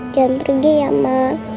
jangan pergi ya ma